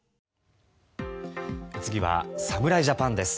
次は侍ジャパンです。